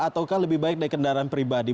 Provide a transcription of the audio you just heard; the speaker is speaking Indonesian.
atau lebih baik naik kendaraan pribadi